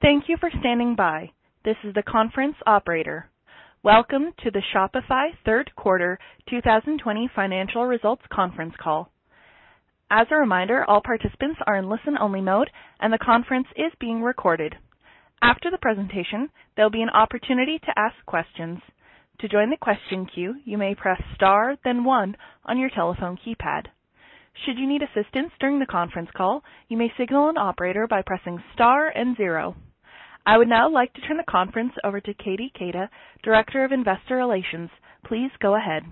Thank you for standing by. This is the conference operator. Welcome to the Shopify third quarter 2020 financial results conference call. As a reminder, all participants are in listen-only mode, and the conference is being recorded. After the presentation, there will be an opportunity to ask questions. To join the question queue, you may press star then one on your telephone keypad. Should you need assistance during the conference call, you may signal an operator by pressing star and zero. I would now like to turn the conference over to Katie Keita, Director of Investor Relations. Please go ahead.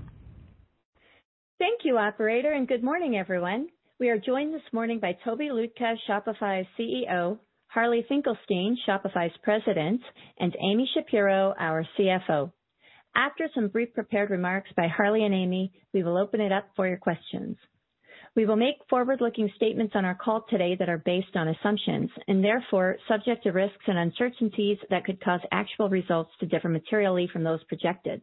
Thank you, operator, and good morning, everyone. We are joined this morning by Tobi Lütke, Shopify's CEO, Harley Finkelstein, Shopify's President, and Amy Shapero, our CFO. After some brief prepared remarks by Harley and Amy, we will open it up for your questions. We will make forward-looking statements on our call today that are based on assumptions, and therefore subject to risks and uncertainties that could cause actual results to differ materially from those projected.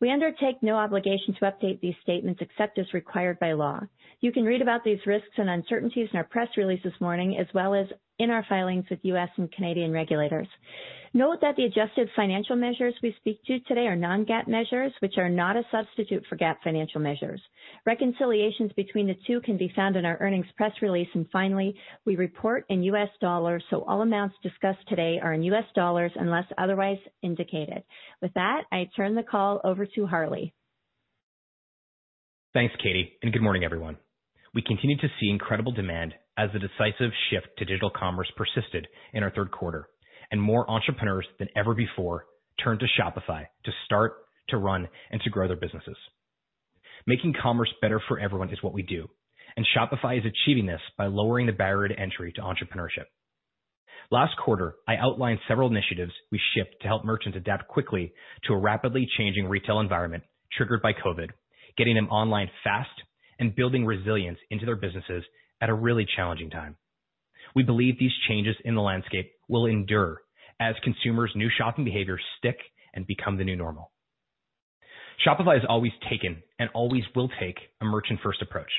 We undertake no obligation to update these statements except as required by law. You can read about these risks and uncertainties in our press release this morning, as well as in our filings with U.S. and Canadian regulators. Note that the adjusted financial measures we speak to today are non-GAAP measures, which are not a substitute for GAAP financial measures. Reconciliations between the two can be found in our earnings press release. Finally, we report in U.S. dollars, so all amounts discussed today are in U.S. dollars unless otherwise indicated. With that, I turn the call over to Harley. Thanks, Katie. Good morning, everyone. We continue to see incredible demand as the decisive shift to digital commerce persisted in our third quarter. More entrepreneurs than ever before turned to Shopify to start, to run, and to grow their businesses. Making commerce better for everyone is what we do. Shopify is achieving this by lowering the barrier to entry to entrepreneurship. Last quarter, I outlined several initiatives we shipped to help merchants adapt quickly to a rapidly changing retail environment triggered by COVID, getting them online fast and building resilience into their businesses at a really challenging time. We believe these changes in the landscape will endure as consumers' new shopping behaviors stick and become the new normal. Shopify has always taken and always will take a merchant-first approach.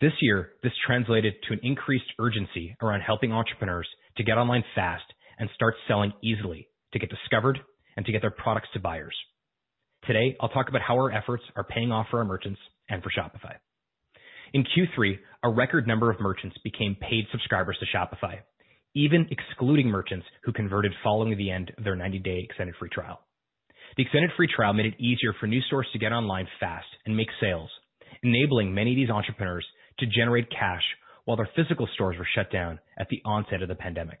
This year, this translated to an increased urgency around helping entrepreneurs to get online fast and start selling easily, to get discovered and to get their products to buyers. Today, I'll talk about how our efforts are paying off for our merchants and for Shopify. In Q3, a record number of merchants became paid subscribers to Shopify, even excluding merchants who converted following the end of their 90-day extended free trial. The extended free trial made it easier for new stores to get online fast and make sales, enabling many of these entrepreneurs to generate cash while their physical stores were shut down at the onset of the pandemic.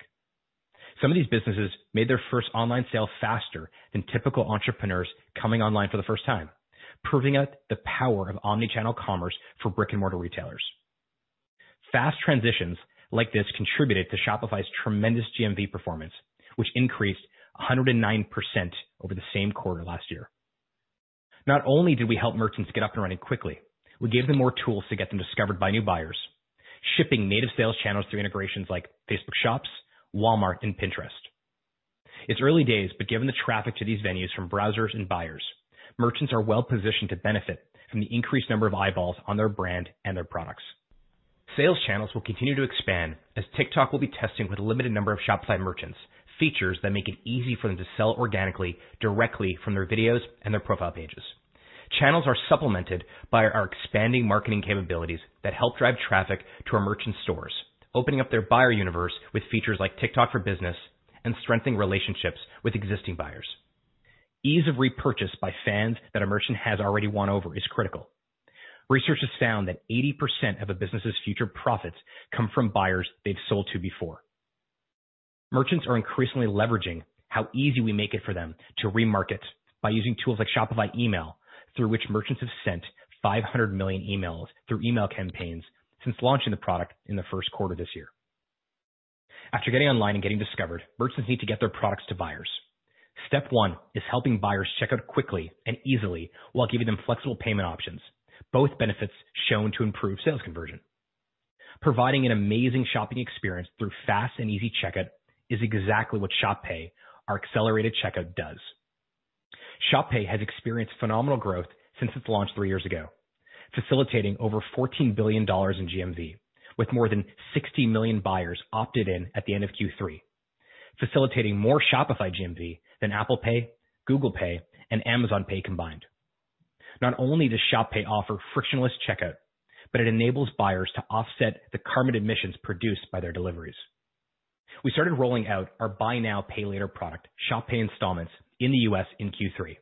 Some of these businesses made their first online sale faster than typical entrepreneurs coming online for the first time, proving out the power of omni-channel commerce for brick-and-mortar retailers. Fast transitions like this contributed to Shopify's tremendous GMV performance, which increased 109% over the same quarter last year. Not only did we help merchants get up and running quickly, we gave them more tools to get them discovered by new buyers, shipping native sales channels through integrations like Facebook Shops, Walmart, and Pinterest. It's early days. Given the traffic to these venues from browsers and buyers, merchants are well positioned to benefit from the increased number of eyeballs on their brand and their products. Sales channels will continue to expand as TikTok will be testing with a limited number of Shopify merchants features that make it easy for them to sell organically directly from their videos and their profile pages. Channels are supplemented by our expanding marketing capabilities that help drive traffic to our merchant stores, opening up their buyer universe with features like TikTok for Business and strengthening relationships with existing buyers. Ease of repurchase by fans that a merchant has already won over is critical. Research has found that 80% of a business's future profits come from buyers they've sold to before. Merchants are increasingly leveraging how easy we make it for them to remarket by using tools like Shopify Email, through which merchants have sent 500 million emails through email campaigns since launching the product in the first quarter this year. After getting online and getting discovered, merchants need to get their products to buyers. Step one is helping buyers check out quickly and easily while giving them flexible payment options, both benefits shown to improve sales conversion. Providing an amazing shopping experience through fast and easy checkout is exactly what Shop Pay, our accelerated checkout, does. Shop Pay has experienced phenomenal growth since its launch three years ago, facilitating over $14 billion in GMV, with more than 60 million buyers opted in at the end of Q3, facilitating more Shopify GMV than Apple Pay, Google Pay, and Amazon Pay combined. Not only does Shop Pay offer frictionless checkout, but it enables buyers to offset the carbon emissions produced by their deliveries. We started rolling out our buy now, pay later product, Shop Pay Installments, in the U.S. in Q3.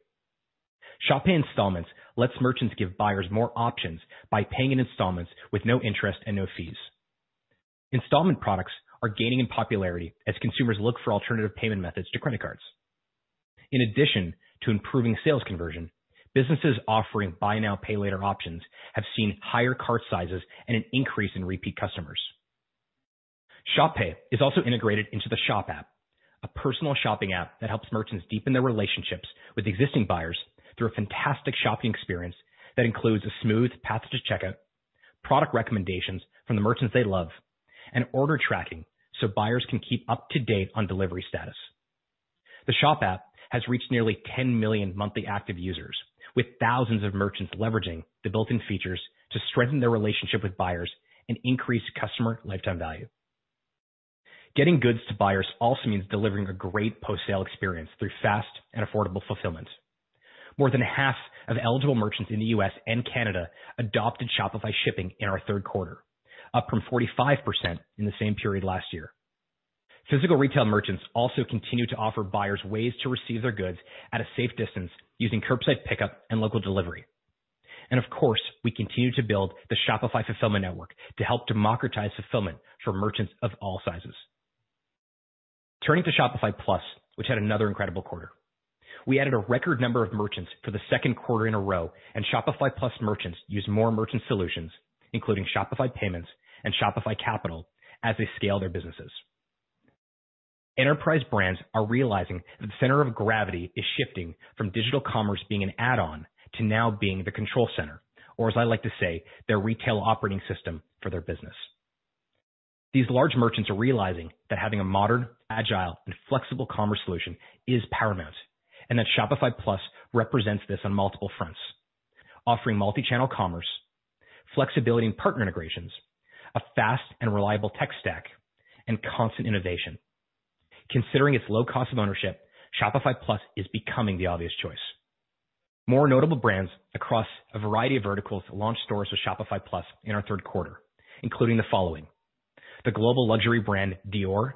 Shop Pay Installments lets merchants give buyers more options by paying in installments with no interest and no fees. Installment products are gaining in popularity as consumers look for alternative payment methods to credit cards. In addition to improving sales conversion, businesses offering buy now, pay later options have seen higher cart sizes and an increase in repeat customers. Shop Pay is also integrated into the Shop app, a personal shopping app that helps merchants deepen their relationships with existing buyers through a fantastic shopping experience that includes a smooth path to checkout, product recommendations from the merchants they love, and order tracking so buyers can keep up to date on delivery status. The Shop app has reached nearly 10 million monthly active users, with thousands of merchants leveraging the built-in features to strengthen their relationship with buyers and increase customer lifetime value. Getting goods to buyers also means delivering a great post-sale experience through fast and affordable fulfillment. More than half of eligible merchants in the U.S. and Canada adopted Shopify Shipping in our third quarter, up from 45% in the same period last year. Physical retail merchants also continue to offer buyers ways to receive their goods at a safe distance using curbside pickup and local delivery. Of course, we continue to build the Shopify Fulfillment Network to help democratize fulfillment for merchants of all sizes. Turning to Shopify Plus, which had another incredible quarter. We added a record number of merchants for the second quarter in a row. Shopify Plus merchants use more merchant solutions, including Shopify Payments and Shopify Capital, as they scale their businesses. Enterprise brands are realizing that the center of gravity is shifting from digital commerce being an add-on to now being the control center, or as I like to say, their retail operating system for their business. These large merchants are realizing that having a modern, agile, and flexible commerce solution is paramount, and that Shopify Plus represents this on multiple fronts, offering multi-channel commerce, flexibility in partner integrations, a fast and reliable tech stack, and constant innovation. Considering its low cost of ownership, Shopify Plus is becoming the obvious choice. More notable brands across a variety of verticals launched stores with Shopify Plus in our third quarter, including the following, the global luxury brand, Dior,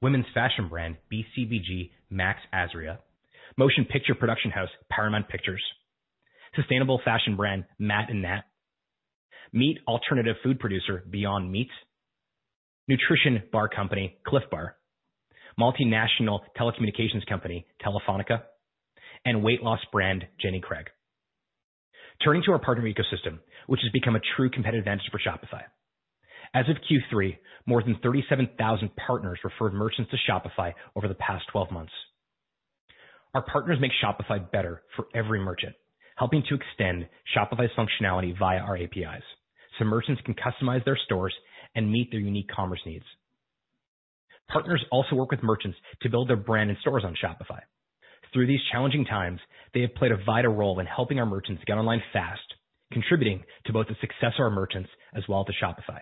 women's fashion brand BCBGMAXAZRIA, motion picture production house, Paramount Pictures, sustainable fashion brand, Matt & Nat, meat alternative food producer, Beyond Meat, nutrition bar company, Clif Bar, multinational telecommunications company, Telefónica, and weight loss brand, Jenny Craig. Turning to our partner ecosystem, which has become a true competitive advantage for Shopify. As of Q3, more than 37,000 partners referred merchants to Shopify over the past 12 months. Our partners make Shopify better for every merchant, helping to extend Shopify's functionality via our APIs, so merchants can customize their stores and meet their unique commerce needs. Partners also work with merchants to build their brand and stores on Shopify. Through these challenging times, they have played a vital role in helping our merchants get online fast, contributing to both the success of our merchants as well as to Shopify.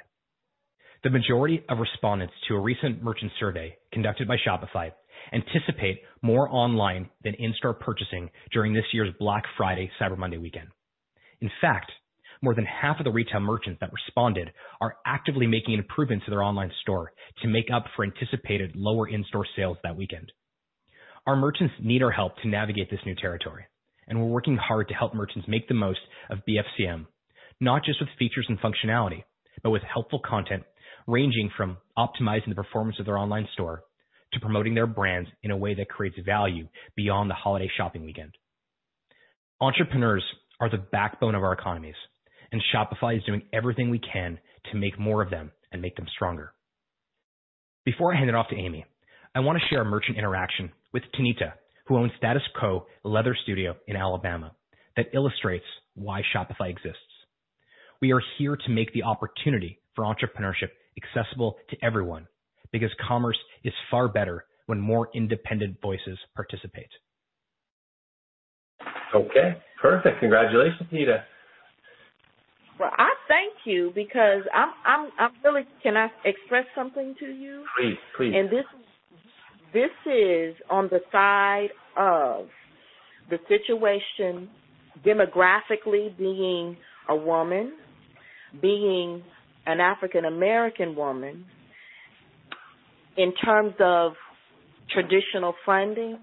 The majority of respondents to a recent merchant survey conducted by Shopify anticipate more online than in-store purchasing during this year's Black Friday/Cyber Monday weekend. In fact, more than half of the retail merchants that responded are actively making improvements to their online store to make up for anticipated lower in-store sales that weekend. Our merchants need our help to navigate this new territory. We're working hard to help merchants make the most of BFCM, not just with features and functionality, but with helpful content ranging from optimizing the performance of their online store to promoting their brands in a way that creates value beyond the holiday shopping weekend. Entrepreneurs are the backbone of our economies. Shopify is doing everything we can to make more of them and make them stronger. Before I hand it off to Amy, I want to share a merchant interaction with Tenita, who owns Status Co. Leather Studio in Alabama, that illustrates why Shopify exists. We are here to make the opportunity for entrepreneurship accessible to everyone because commerce is far better when more independent voices participate. Okay, perfect. Congratulations, Tenita. Well, I thank you. Can I express something to you? Please, please. This is on the side of the situation demographically being a woman, being an African American woman. In terms of traditional funding,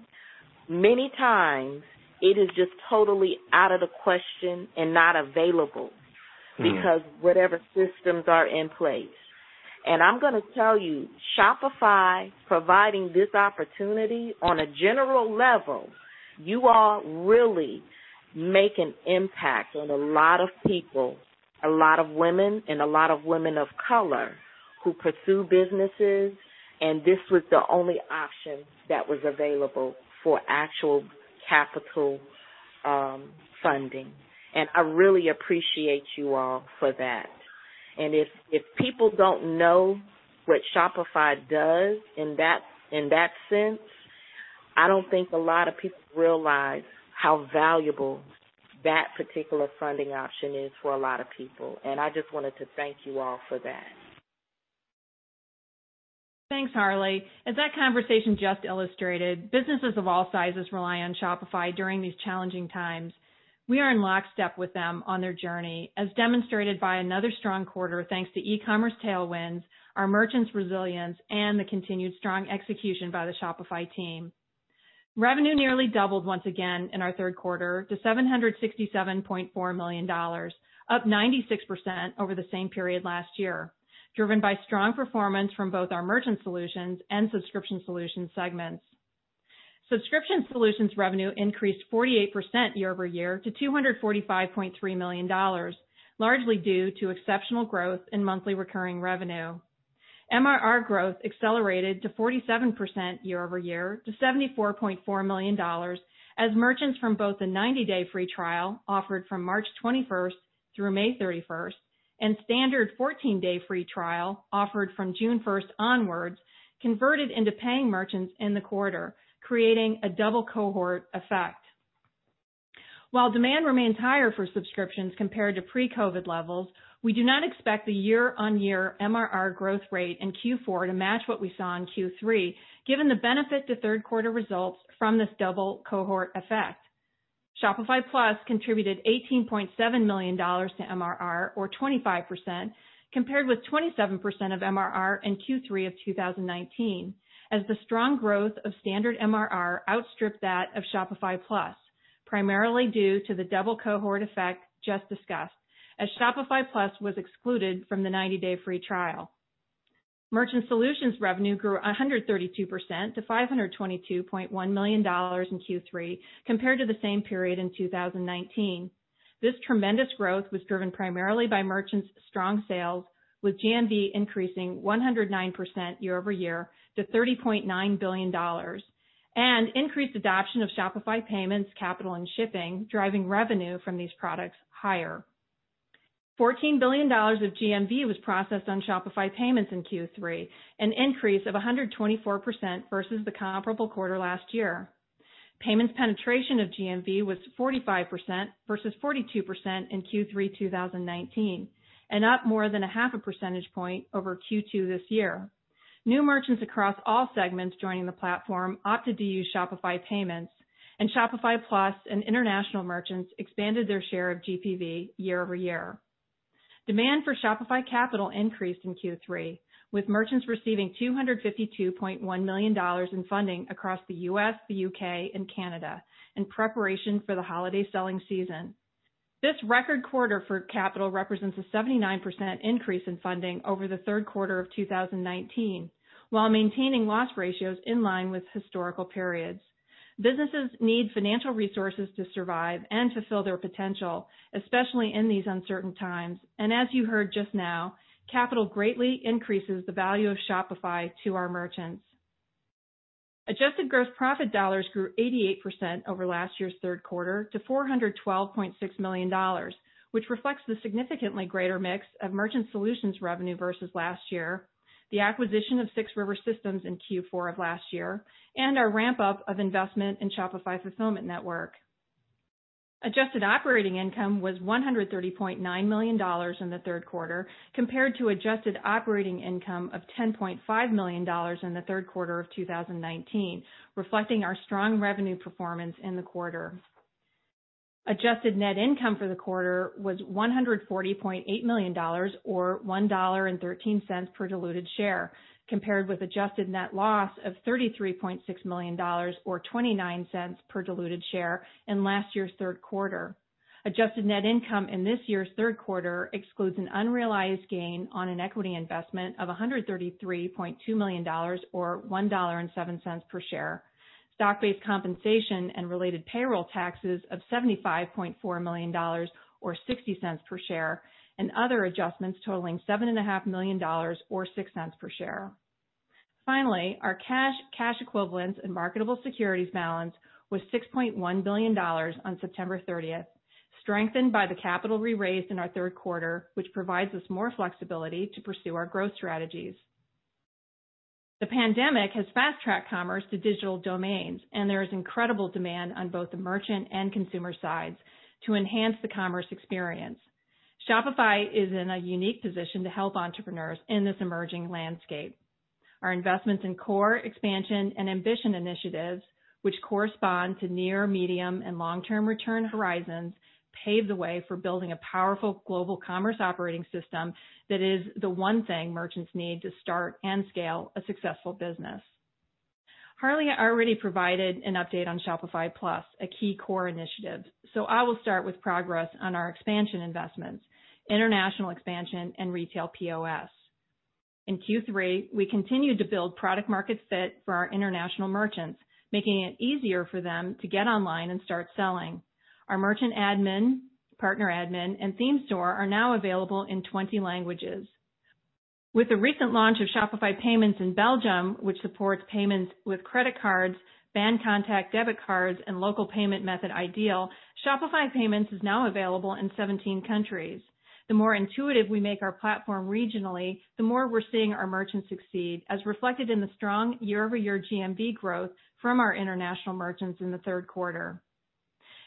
many times it is just totally out of the question and not available. Because whatever systems are in place. I'm gonna tell you, Shopify providing this opportunity on a general level, you all really make an impact on a lot of people, a lot of women and a lot of women of color who pursue businesses, and this was the only option that was available for actual capital funding. I really appreciate you all for that. If, if people don't know what Shopify does in that, in that sense, I don't think a lot of people realize how valuable that particular funding option is for a lot of people. I just wanted to thank you all for that. Thanks, Harley. As that conversation just illustrated, businesses of all sizes rely on Shopify during these challenging times. We are in lockstep with them on their journey, as demonstrated by another strong quarter, thanks to e-commerce tailwinds, our merchants' resilience, and the continued strong execution by the Shopify team. Revenue nearly doubled once again in our third quarter to $767.4 million, up 96% over the same period last year, driven by strong performance from both our Merchant Solutions and Subscription Solutions segments. Subscription Solutions revenue increased 48% year-over-year to $245.3 million, largely due to exceptional growth in monthly recurring revenue. MRR growth accelerated to 47% year-over-year to $74.4 million as merchants from both the 90-day free trial offered from March 21st through May 31st, standard 14-day free trial offered from June 1st onwards converted into paying merchants in the quarter, creating a double cohort effect. While demand remains higher for subscriptions compared to pre-COVID levels, we do not expect the year-on-year MRR growth rate in Q4 to match what we saw in Q3, given the benefit to third quarter results from this double cohort effect. Shopify Plus contributed $18.7 million to MRR, or 25%, compared with 27% of MRR in Q3 of 2019, as the strong growth of standard MRR outstripped that of Shopify Plus, primarily due to the double cohort effect just discussed, as Shopify Plus was excluded from the 90-day free trial. Merchant solutions revenue grew 132% to $522.1 million in Q3 compared to the same period in 2019. This tremendous growth was driven primarily by merchants' strong sales, with GMV increasing 109% year-over-year to $30.9 billion and increased adoption of Shopify Payments, Capital and Shipping, driving revenue from these products higher. $14 billion of GMV was processed on Shopify Payments in Q3, an increase of 124% versus the comparable quarter last year. Payments penetration of GMV was 45% versus 42% in Q3 2019, and up more than a half a percentage point over Q2 this year. New merchants across all segments joining the platform opted to use Shopify Payments, Shopify Plus and international merchants expanded their share of GPV year-over-year. Demand for Shopify Capital increased in Q3, with merchants receiving $252.1 million in funding across the U.S., the U.K. and Canada in preparation for the holiday selling season. This record quarter for Capital represents a 79% increase in funding over the third quarter of 2019, while maintaining loss ratios in line with historical periods. Businesses need financial resources to survive and to fill their potential, especially in these uncertain times. As you heard just now, Capital greatly increases the value of Shopify to our merchants. Adjusted gross profit dollars grew 88% over last year's third quarter to $412.6 million, which reflects the significantly greater mix of merchant solutions revenue versus last year, the acquisition of 6 River Systems in Q4 of last year, and our ramp-up of investment in Shopify Fulfillment Network. Adjusted operating income was $130.9 million in the third quarter compared to adjusted operating income of $10.5 million in the third quarter of 2019, reflecting our strong revenue performance in the quarter. Adjusted net income for the quarter was $140.8 million or $1.13 per diluted share, compared with adjusted net loss of $33.6 million or $0.29 per diluted share in last year's third quarter. Adjusted net income in this year's third quarter excludes an unrealized gain on an equity investment of $133.2 million or $1.07 per share. Stock-based compensation and related payroll taxes of $75.4 million or $0.60 per share, and other adjustments totaling seven and a half million dollars or $0.06 per share. Finally, our cash equivalents and marketable securities balance was $6.1 billion on September 30th, strengthened by the capital we raised in our third quarter, which provides us more flexibility to pursue our growth strategies. The pandemic has fast-tracked commerce to digital domains, there is incredible demand on both the merchant and consumer sides to enhance the commerce experience. Shopify is in a unique position to help entrepreneurs in this emerging landscape. Our investments in core expansion and ambition initiatives, which correspond to near, medium and long-term return horizons, pave the way for building a powerful global commerce operating system that is the one thing merchants need to start and scale a successful business. Harley already provided an update on Shopify Plus, a key core initiative. I will start with progress on our expansion investments, international expansion and retail POS. In Q3, we continued to build product market fit for our international merchants, making it easier for them to get online and start selling. Our merchant admin, partner admin and theme store are now available in 20 languages. With the recent launch of Shopify Payments in Belgium, which supports payments with credit cards, Bancontact debit cards and local payment method iDEAL, Shopify Payments is now available in 17 countries. The more intuitive we make our platform regionally, the more we're seeing our merchants succeed, as reflected in the strong year-over-year GMV growth from our international merchants in the third quarter.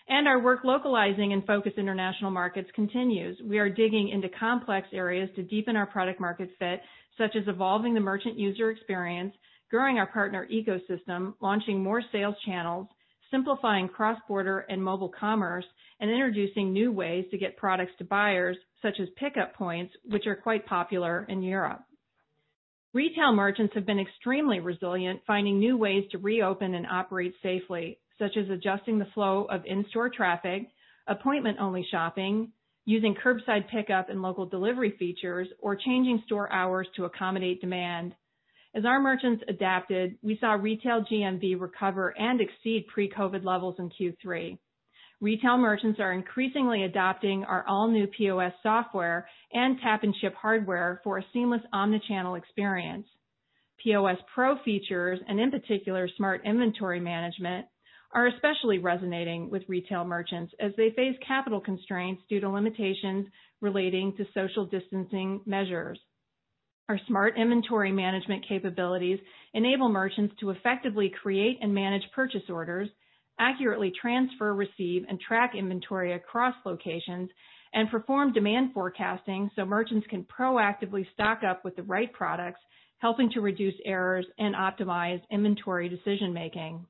Our work localizing in focus international markets continues. We are digging into complex areas to deepen our product market fit, such as evolving the merchant user experience, growing our partner ecosystem, launching more sales channels, simplifying cross-border and mobile commerce, and introducing new ways to get products to buyers, such as pickup points, which are quite popular in Europe. Retail merchants have been extremely resilient, finding new ways to reopen and operate safely, such as adjusting the flow of in-store traffic, appointment-only shopping, using curbside pickup and local delivery features, or changing store hours to accommodate demand. As our merchants adapted, we saw retail GMV recover and exceed pre-COVID levels in Q3. Retail merchants are increasingly adopting our all-new POS software and Tap & Chip hardware for a seamless omnichannel experience. POS Pro features, and in particular, smart inventory management are especially resonating with retail merchants as they face capital constraints due to limitations relating to social distancing measures. Our smart inventory management capabilities enable merchants to effectively create and manage purchase orders, accurately transfer, receive, and track inventory across locations, and perform demand forecasting so merchants can proactively stock up with the right products, helping to reduce errors and optimize inventory decision-making.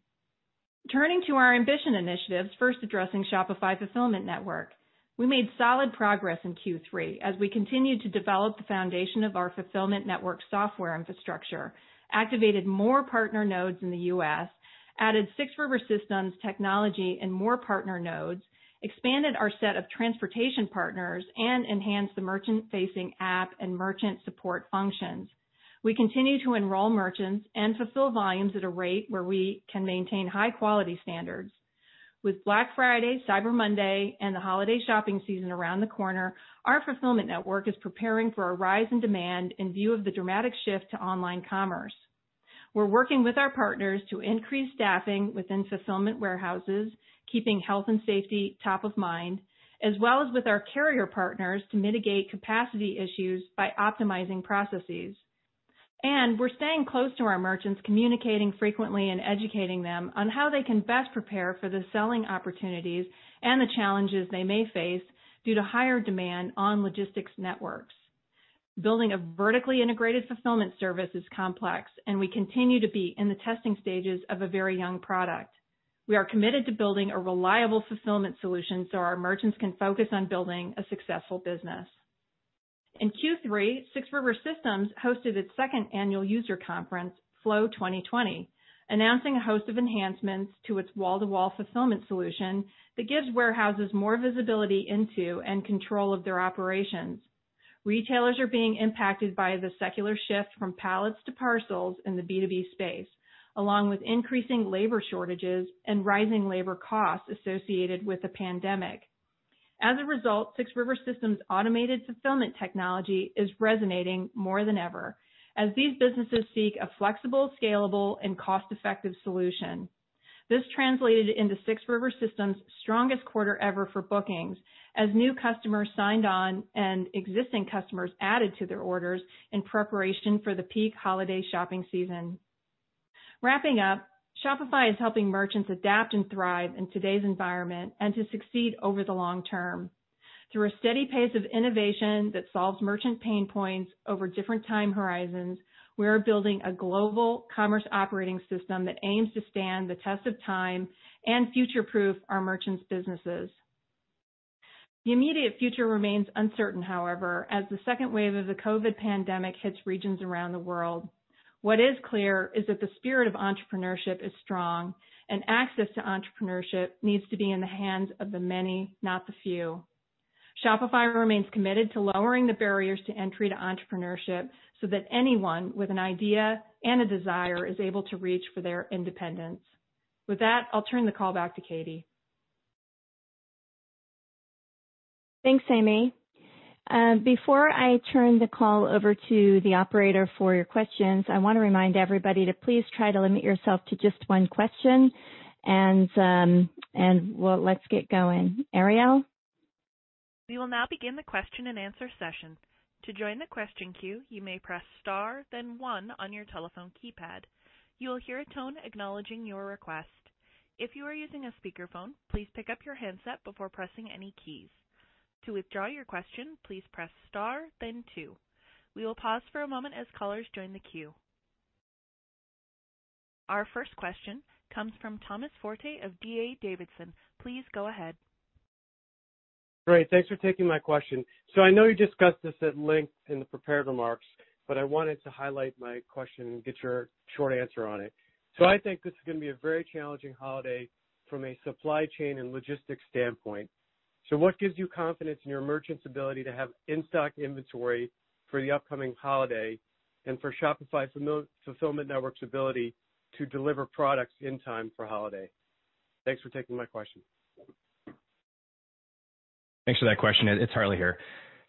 Turning to our ambition initiatives, first addressing Shopify Fulfillment Network. We made solid progress in Q3 as we continued to develop the foundation of our fulfillment network software infrastructure, activated more partner nodes in the U.S., added six River Systems technology and more partner nodes, expanded our set of transportation partners, and enhanced the merchant-facing app and merchant support functions. We continue to enroll merchants and fulfill volumes at a rate where we can maintain high quality standards. With Black Friday, Cyber Monday, and the holiday shopping season around the corner, our fulfillment network is preparing for a rise in demand in view of the dramatic shift to online commerce. We're working with our partners to increase staffing within fulfillment warehouses, keeping health and safety top of mind, as well as with our carrier partners to mitigate capacity issues by optimizing processes. We're staying close to our merchants, communicating frequently and educating them on how they can best prepare for the selling opportunities and the challenges they may face due to higher demand on logistics networks. Building a vertically integrated fulfillment service is complex, and we continue to be in the testing stages of a very young product. We are committed to building a reliable fulfillment solution so our merchants can focus on building a successful business. In Q3, Six River Systems hosted its second annual user conference, flow 2020, announcing a host of enhancements to its wall-to-wall fulfillment solution that gives warehouses more visibility into and control of their operations. Retailers are being impacted by the secular shift from pallets to parcels in the B2B space, along with increasing labor shortages and rising labor costs associated with the pandemic. As a result, 6 River Systems' automated fulfillment technology is resonating more than ever as these businesses seek a flexible, scalable, and cost-effective solution. This translated into 6 River Systems' strongest quarter ever for bookings as new customers signed on and existing customers added to their orders in preparation for the peak holiday shopping season. Wrapping up, Shopify is helping merchants adapt and thrive in today's environment and to succeed over the long term. Through a steady pace of innovation that solves merchant pain points over different time horizons, we are building a global commerce operating system that aims to stand the test of time and future-proof our merchants' businesses. The immediate future remains uncertain, however, as the second wave of the COVID pandemic hits regions around the world. What is clear is that the spirit of entrepreneurship is strong and access to entrepreneurship needs to be in the hands of the many, not the few. Shopify remains committed to lowering the barriers to entry to entrepreneurship so that anyone with an idea and a desire is able to reach for their independence. With that, I'll turn the call back to Katie. Thanks, Amy. Before I turn the call over to the operator for your questions, I wanna remind everybody to please try to limit yourself to just one question and, well, let's get going. Ariel? We will now begin the question-and-answer session. To join the question queue, you may press star then one on your telephone keypad. You will hear a tone acknowledging your request. If you are using a speakerphone, please pick up your handset before pressing any keys. To withdraw your question, please press star then two. We will pause for a moment as callers join the queue. Our first question comes from Thomas Forte of D.A. Davidson. Please go ahead. Great. Thanks for taking my question. I know you discussed this at length in the prepared remarks, but I wanted to highlight my question and get your short answer on it. I think this is going to be a very challenging holiday from a supply chain and logistics standpoint. What gives you confidence in your merchants' ability to have in-stock inventory for the upcoming holiday and for Shopify Fulfillment Network's ability to deliver products in time for holiday? Thanks for taking my question. Thanks for that question. It's Harley here.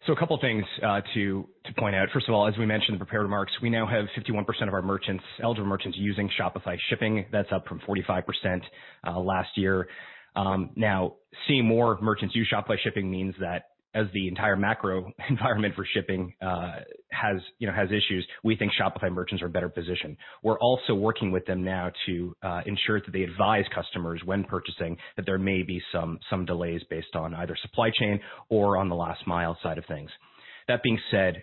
A couple things to point out. First of all, as we mentioned in the prepared remarks, we now have 51% of our merchants, eligible merchants using Shopify Shipping. That's up from 45% last year. Now seeing more merchants use Shopify Shipping means that as the entire macro environment for shipping has, you know, has issues, we think Shopify merchants are better positioned. We're also working with them now to ensure that they advise customers when purchasing that there may be some delays based on either supply chain or on the last mile side of things. That being said,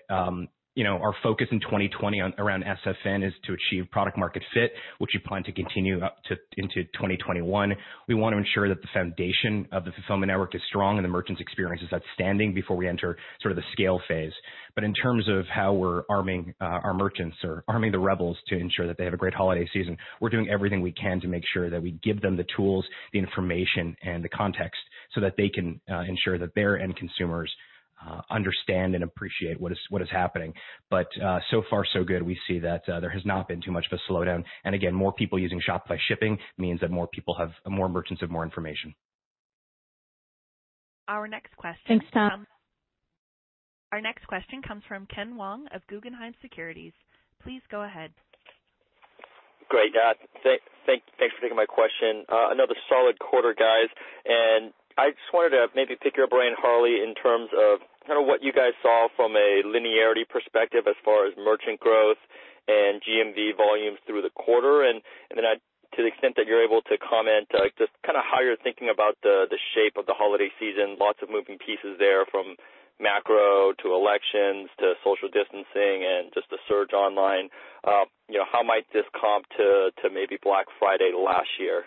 you know, our focus in 2020 on, around SFN is to achieve product market fit, which we plan to continue up to, into 2021. We want to ensure that the foundation of the fulfillment network is strong and the merchants' experience is outstanding before we enter sort of the scale phase. In terms of how we're arming our merchants or arming the rebels to ensure that they have a great holiday season, we're doing everything we can to make sure that we give them the tools, the information, and the context so that they can ensure that their end consumers understand and appreciate what is happening. So far so good. We see that there has not been too much of a slowdown. Again, more people using Shopify Shipping means that more merchants have more information. Our next question comes- Thanks, Tom. Our next question comes from Ken Wong of Guggenheim Securities. Please go ahead. Great. thanks for taking my question. another solid quarter, guys. I just wanted to maybe pick your brain, Harley, in terms of kind of what you guys saw from a linearity perspective as far as merchant growth and GMV volumes through the quarter. Then to the extent that you're able to comment, like just kinda how you're thinking about the shape of the holiday season. Lots of moving pieces there from macro to elections to social distancing and just the surge online. You know, how might this comp to maybe Black Friday last year?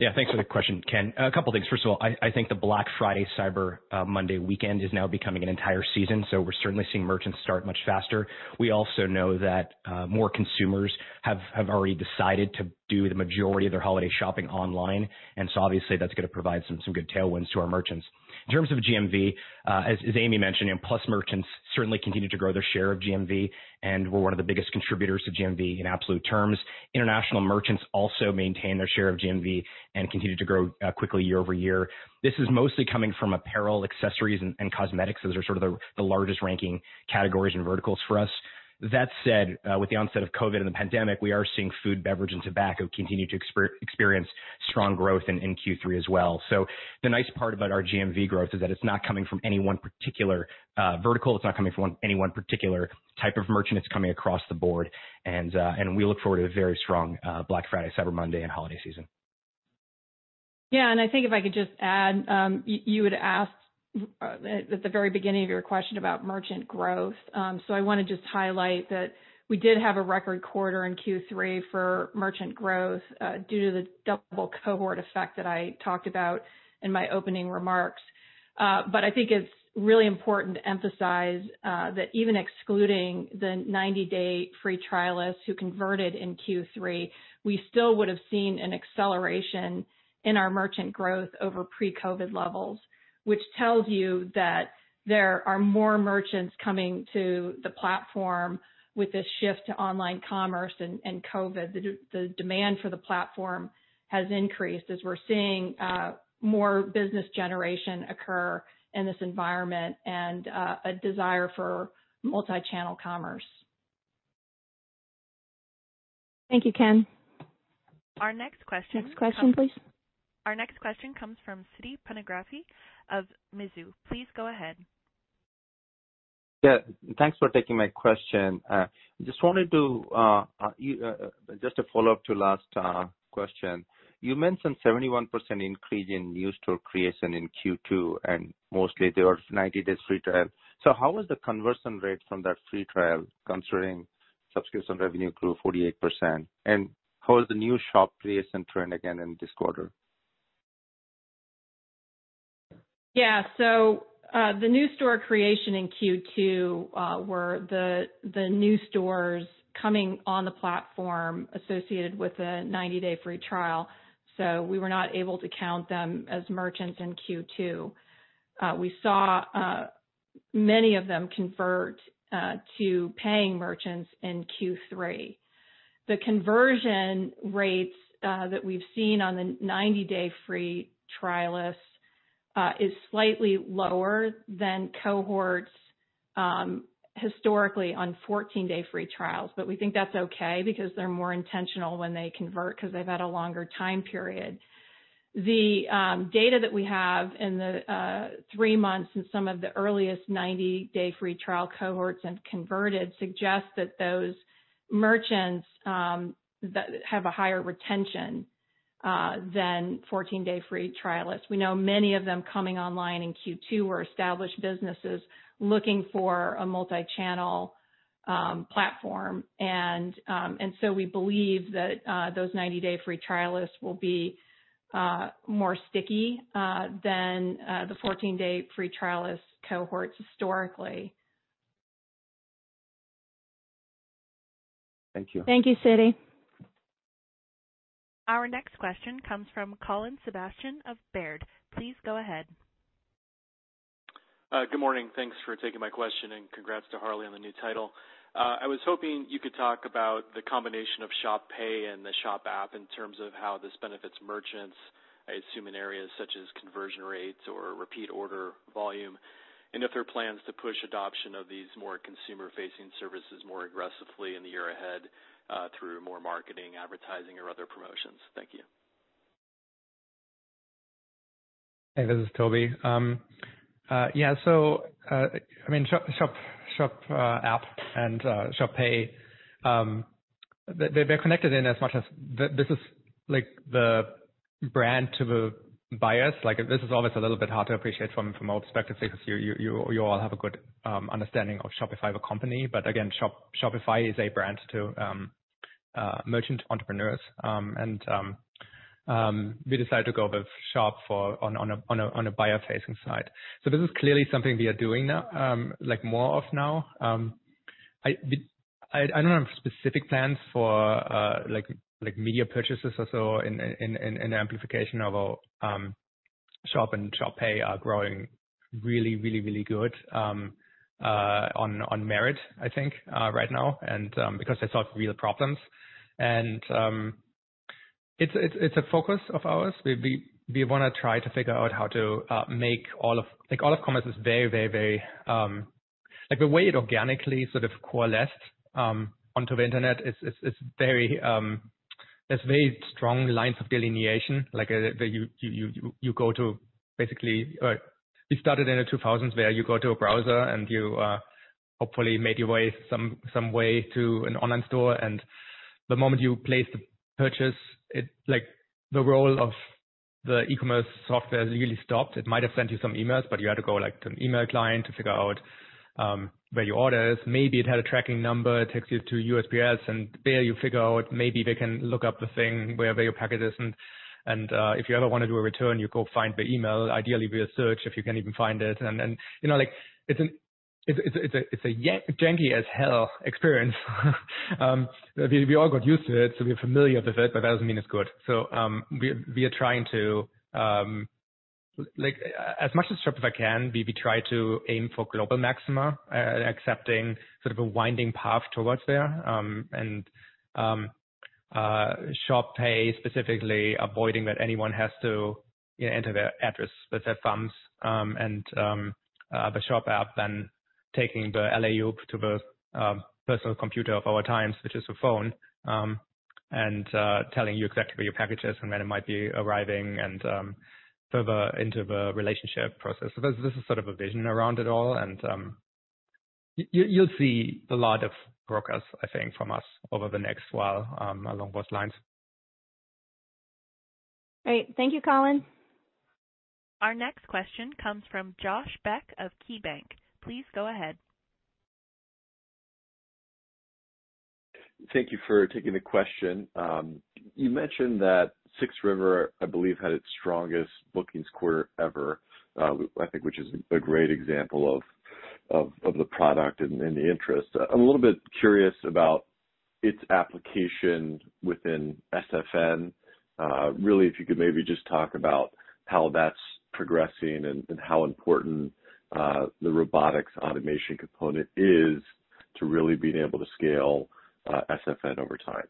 Yeah, thanks for the question, Ken. A couple things. First of all, I think the Black Friday/Cyber Monday weekend is now becoming an entire season, so we're certainly seeing merchants start much faster. We also know that more consumers have already decided to do the majority of their holiday shopping online. Obviously that's gonna provide some good tailwinds to our merchants. In terms of GMV, as Amy mentioned, Plus merchants certainly continue to grow their share of GMV, and we're one of the biggest contributors to GMV in absolute terms. International merchants also maintain their share of GMV and continue to grow quickly year-over-year. This is mostly coming from apparel, accessories, and cosmetics. Those are sort of the largest ranking categories and verticals for us. That said, with the onset of COVID and the pandemic, we are seeing food, beverage, and tobacco continue to experience strong growth in Q3 as well. The nice part about our GMV growth is that it's not coming from any one particular vertical. It's not coming from any one particular type of merchant. It's coming across the board. We look forward to a very strong Black Friday, Cyber Monday, and holiday season. Yeah. I think if I could just add, you had asked at the very beginning of your question about merchant growth. I wanna just highlight that we did have a record quarter in Q3 for merchant growth, due to the double cohort effect that I talked about in my opening remarks. I think it's really important to emphasize that even excluding the 90-day free trialists who converted in Q3, we still would've seen an acceleration in our merchant growth over pre-COVID levels, which tells you that there are more merchants coming to the platform with this shift to online commerce and COVID. The demand for the platform has increased as we're seeing more business generation occur in this environment and a desire for multi-channel commerce. Thank you, Ken. Our next question comes- Next question, please. Our next question comes from Siti Panigrahi of Mizuho. Please go ahead. Yeah. Thanks for taking my question. Just wanted to just a follow-up to last question. You mentioned 71% increase in new store creation in Q2, and mostly they were 90-days free trial. How was the conversion rate from that free trial considering subscription revenue grew 48%? How is the new shop creation trend again in this quarter? The new store creation in Q2 were the new stores coming on the platform associated with the 90-day free trial. We were not able to count them as merchants in Q2. We saw many of them convert to paying merchants in Q3. The conversion rates that we've seen on the 90-day free trialists is slightly lower than cohorts historically on 14-day free trials. We think that's okay because they're more intentional when they convert 'cause they've had a longer time period. The data that we have in the three months in some of the earliest 90-day free trial cohorts have converted suggest that those merchants have a higher retention than 14-day free trialists. We know many of them coming online in Q2 were established businesses looking for a multi-channel platform. We believe that those 90-day free trialists will be more sticky than the 14-day free trialists cohorts historically. Thank you. Thank you, Siti. Our next question comes from Colin Sebastian of Baird. Please go ahead. Good morning. Thanks for taking my question, and congrats to Harley on the new title. I was hoping you could talk about the combination of Shop Pay and the Shop app in terms of how this benefits merchants, I assume in areas such as conversion rates or repeat order volume, and if there are plans to push adoption of these more consumer-facing services more aggressively in the year ahead, through more marketing, advertising, or other promotions. Thank you. Hey, this is Tobi. Yeah. I mean, Shop app and Shop Pay, they're connected in as much as this is like the brand to the buyers. Like, this is always a little bit hard to appreciate from our perspective 'cause you all have a good understanding of Shopify, the company. Again, Shopify is a brand to merchant entrepreneurs. We decided to go with Shop on a buyer-facing side. This is clearly something we are doing now, like more of now. I don't have specific plans for like media purchases or so in amplification of our Shop and Shop Pay are growing. Really, really, really good on merit, I think right now, because they solve real problems. It's a focus of ours. We wanna try to figure out how to. Like, all of commerce is very, very, very Like the way it organically sort of coalesced onto the internet is very strong lines of delineation. Like, you go to basically, we started in the 2000s where you go to a browser and you hopefully make your way some way to an online store. The moment you place the purchase, it like the role of the e-commerce software is really stopped. It might have sent you some emails. You had to go like to an email client to figure out where your order is. Maybe it had a tracking number. It takes you to USPS, and there you figure out maybe they can look up the thing wherever your package is. If you ever wanna do a return, you go find the email, ideally via search, if you can even find it. You know, like it's a janky as hell experience. We all got used to it, so we're familiar with it. That doesn't mean it's good. We are trying to, like as much as Shopify can, we try to aim for global maxima, accepting sort of a winding path towards there. Shop Pay specifically avoiding that anyone has to enter their address with their thumbs. The Shop app, then taking the LAU to the personal computer of our times, which is a phone, and telling you exactly where your package is and when it might be arriving and further into the relationship process. This is a vision around it all. You'll see a lot of progress from us over the next while along those lines. Great. Thank you, Colin. Our next question comes from Josh Beck of KeyBanc. Please go ahead. Thank you for taking the question. You mentioned that 6 River, I believe, had its strongest bookings quarter ever, I think, which is a great example of the product and the interest. I'm a little bit curious about its application within SFN. Really, if you could maybe just talk about how that's progressing and how important the robotics automation component is to really being able to scale SFN over time?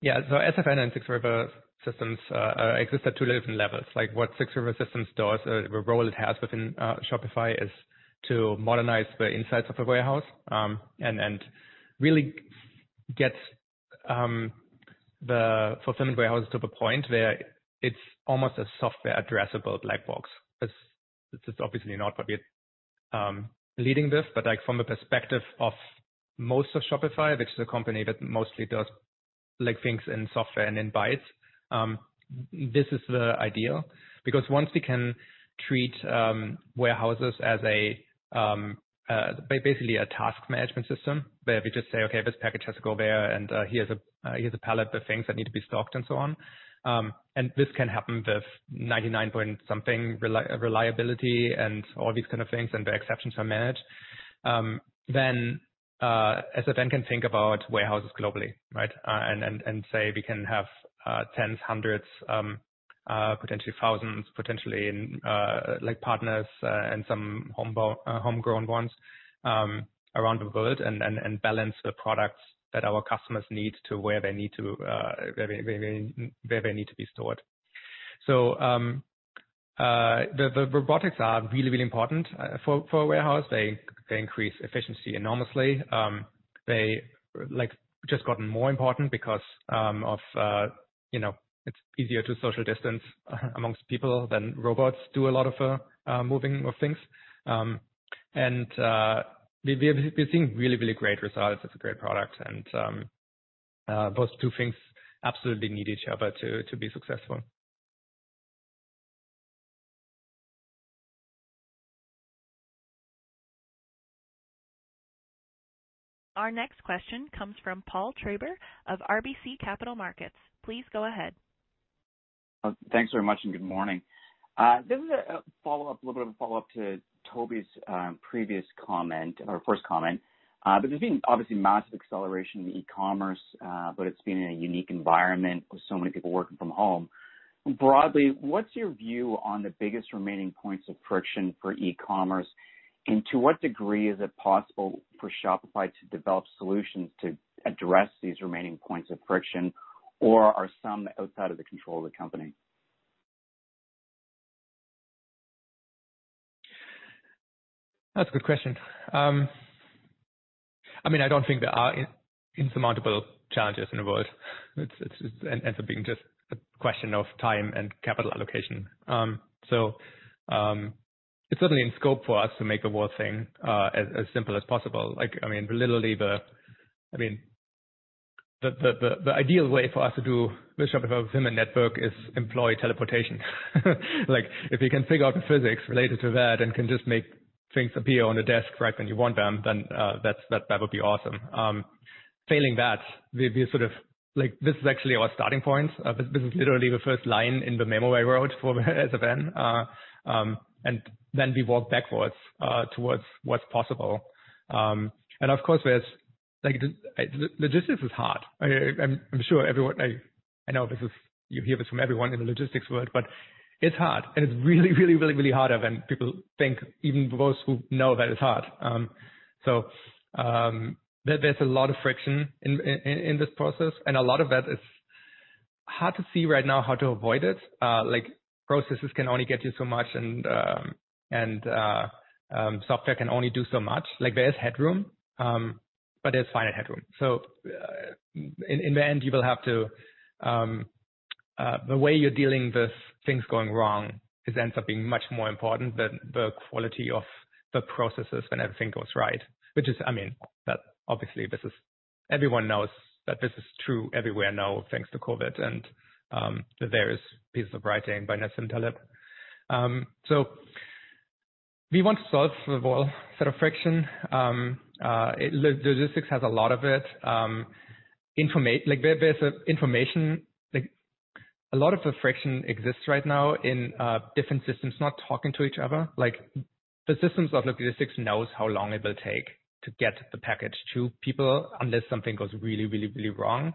Yeah. SFN and 6 River Systems exist at two different levels. Like what 6 River Systems does or the role it has within Shopify is to modernize the insides of a warehouse and really get the fulfillment warehouses to the point where it's almost a software addressable black box. This is obviously not what we're leading this, but like from the perspective of most of Shopify, which is a company that mostly does like things in software and in bytes, this is the ideal. Once we can treat warehouses as basically a task management system where we just say, "Okay, this package has to go there, and here's a pallet of things that need to be stocked and so on." This can happen with 99.something reliability and all these kind of things, and the exceptions are managed. SFN can think about warehouses globally, right? And say we can have 10s, 100s, potentially 1,000s, potentially like partners, and some homegrown ones around the world and balance the products that our customers need to where they need to, where they need to be stored. The robotics are really important for a warehouse. They increase efficiency enormously. They like just gotten more important because, you know, it's easier to social distance amongst people than robots do a lot of moving of things. We're seeing really, really great results. It's a great product and those two things absolutely need each other to be successful. Our next question comes from Paul Treiber of RBC Capital Markets. Please go ahead. Thanks very much. Good morning. This is a little bit of a follow-up to Tobi's previous comment or first comment. There's been obviously massive acceleration in e-commerce, but it's been in a unique environment with so many people working from home. Broadly, what's your view on the biggest remaining points of friction for e-commerce? To what degree is it possible for Shopify to develop solutions to address these remaining points of friction, or are some outside of the control of the company? That's a good question. I mean, I don't think there are insurmountable challenges in the world. It's, it ends up being just a question of time and capital allocation. It's certainly in scope for us to make the whole thing as simple as possible. Like, I mean, literally the ideal way for us to do the Shopify Fulfillment Network is employee teleportation. Like, if you can figure out the physics related to that and can just make things appear on a desk right when you want them, that would be awesome. Failing that, we sort of like this is actually our starting point. This is literally the first line in the memo I wrote for SFN. Then we work backwards towards what's possible. Of course, there's Like the logistics is hard. I'm sure everyone, I know this is, you hear this from everyone in the logistics world, but it's hard. It's really, really, really, really harder than people think, even those who know that it's hard. There's a lot of friction in this process, and a lot of that is hard to see right now how to avoid it. Like, processes can only get you so much, and software can only do so much. Like, there is headroom, but there's finite headroom. In the end, you will have to, the way you're dealing with things going wrong, it ends up being much more important than the quality of the processes when everything goes right. Which is I mean, that obviously everyone knows that this is true everywhere now, thanks to COVID and the various pieces of writing by Nassim Taleb. We want to solve for the whole set of friction. Logistics has a lot of it. Like there's information like a lot of the friction exists right now in different systems not talking to each other. Like the systems of logistics knows how long it will take to get the package to people unless something goes really, really, really wrong.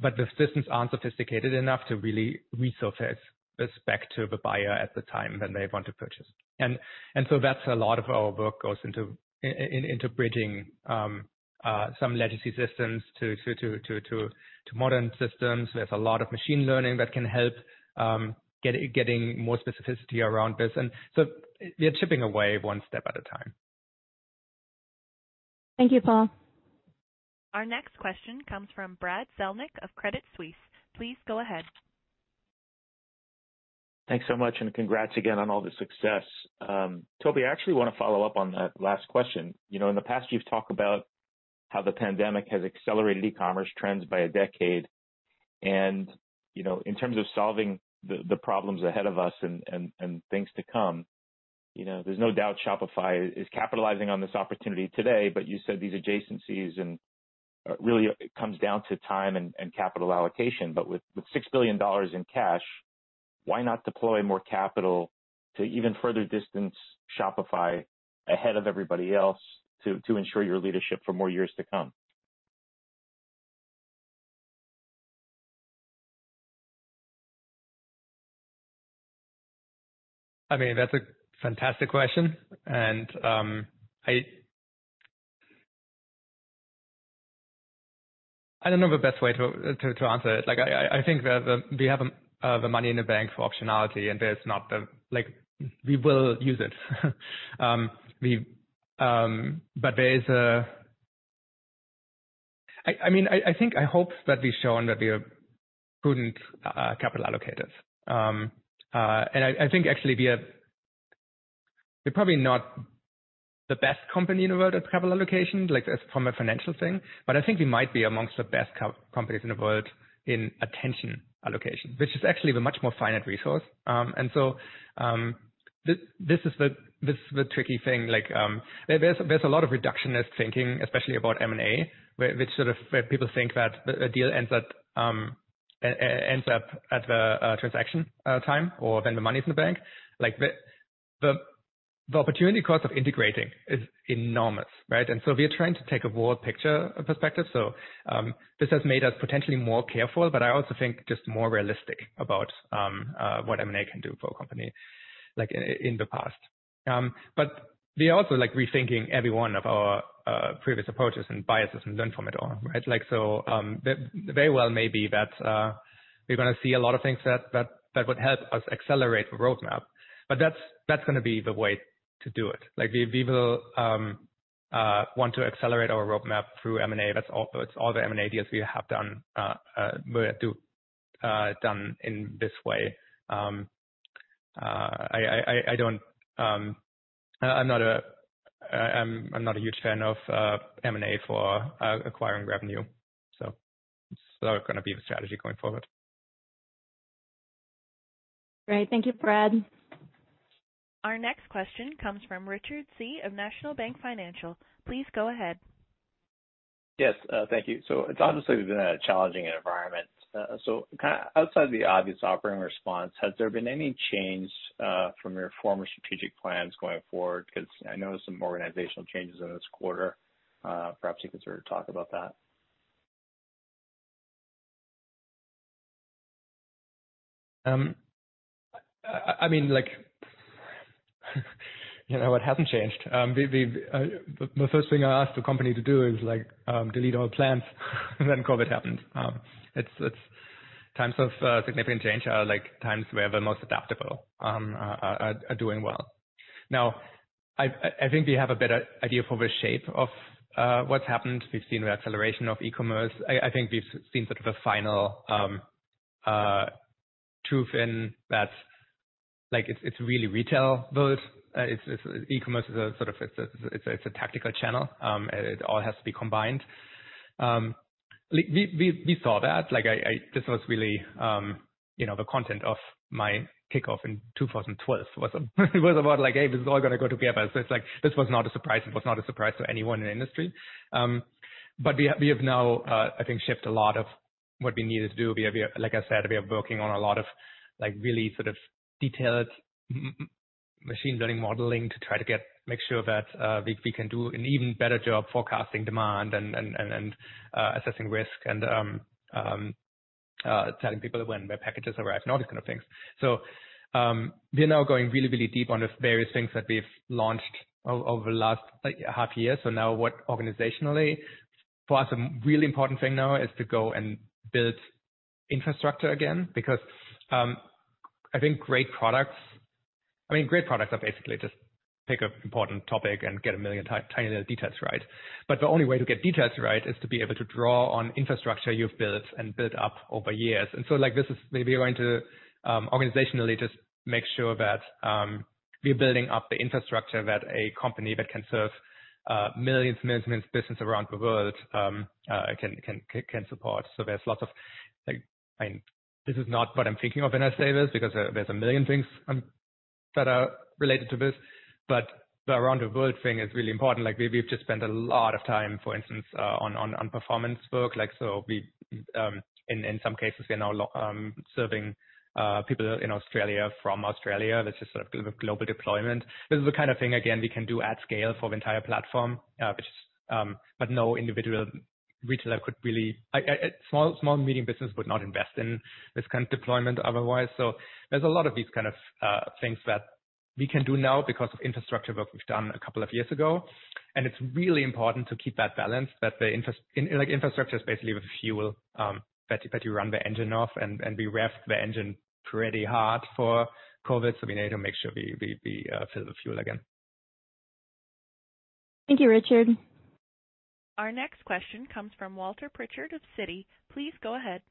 The systems aren't sophisticated enough to really resurface this back to the buyer at the time that they want to purchase. That's a lot of our work goes into bridging some legacy systems to modern systems. There's a lot of machine learning that can help, getting more specificity around this. We are chipping away one step at a time. Thank you, Paul. Our next question comes from Brad Zelnick of Credit Suisse. Please go ahead. Thanks so much and congrats again on all the success. Tobi, I actually wanna follow up on that last question. You know, in the past, you've talked about how the pandemic has accelerated e-commerce trends by a decade. You know, in terms of solving the problems ahead of us and things to come, you know, there's no doubt Shopify is capitalizing on this opportunity today. You said these adjacencies and really it comes down to time and capital allocation. With $6 billion in cash, why not deploy more capital to even further distance Shopify ahead of everybody else to ensure your leadership for more years to come? I mean, that's a fantastic question. I don't know the best way to answer it. Like, I think that we have the money in the bank for optionality, and there's not like we will use it. I mean, I think I hope that we've shown that we are prudent capital allocators. I think actually we're probably not the best company in the world at capital allocation, like as from a financial thing, but I think we might be amongst the best companies in the world in attention allocation, which is actually the much more finite resource. This is the tricky thing. Like, there's a lot of reductionist thinking, especially about M&A, where people think that a deal ends up, ends up at the transaction time or when the money's in the bank. Like the opportunity cost of integrating is enormous, right? We are trying to take a broad picture perspective. This has made us potentially more careful, but I also think just more realistic about what M&A can do for a company like in the past. We also like rethinking every one of our previous approaches and biases and learn from it all, right? Like, very well may be that we're gonna see a lot of things that would help us accelerate the roadmap, but that's gonna be the way to do it. Like, we will want to accelerate our roadmap through M&A. That's all. It's all the M&A deals we have done in this way. I'm not a huge fan of M&A for acquiring revenue. It's not gonna be the strategy going forward. Great. Thank you, Brad. Our next question comes from Richard Tse of National Bank Financial. Please go ahead. Yes, thank you. It's obviously been a challenging environment. Kinda outside the obvious operating response, has there been any change from your former strategic plans going forward? 'Cause I noticed some organizational changes in this quarter. Perhaps you could sort of talk about that. I mean, like, you know, it hasn't changed. The first thing I asked the company to do is like, delete all plans when COVID happened. It's times of significant change are like times where the most adaptable are doing well. Now, I think we have a better idea for the shape of what's happened. We've seen the acceleration of e-commerce. I think we've seen sort of a final truth in that, like it's really retail world. It's e-commerce is a sort of, it's a tactical channel. It all has to be combined. We saw that. Like I, this was really, you know, the content of my kickoff in 2012 was about like, "Hey, this is all gonna go together." It's like, this was not a surprise. It was not a surprise to anyone in the industry. We have now, I think shifted a lot of what we needed to do. We have, like I said, we are working on a lot of like really sort of detailed machine learning modeling to try to make sure that we can do an even better job forecasting demand and assessing risk and telling people when their packages arrive and all these kind of things. We're now going really, really deep on the various things that we've launched over the last, like, half year. Now what organizationally for us, a really important thing now is to go and build infrastructure again, because I think great products I mean, great products are basically just pick an important topic and get 1 million tiny little details right. The only way to get details right is to be able to draw on infrastructure you've built and built up over years. Like, this is where we are going to organizationally just make sure that we're building up the infrastructure that a company that can serve millions and millions and millions of business around the world can support. There's lots of, like, I mean, this is not what I'm thinking of when I say this because there's 1 million things that are related to this, but the around the world thing is really important. Like, we've just spent a lot of time, for instance, on performance work. Like, we, in some cases we are now serving people in Australia from Australia. That's just sort of global deployment. This is the kind of thing, again, we can do at scale for the entire platform, which no individual retailer could really a small, medium business would not invest in this kind of deployment otherwise. There's a lot of these kind of things that we can do now because of infrastructure work we've done a couple of years ago. It's really important to keep that balance that the infrastructure is basically the fuel that you run the engine off, and we revved the engine pretty hard for COVID, so we need to make sure we fill the fuel again. Thank you, Richard. Our next question comes from Walter Pritchard of Citi. Please go ahead.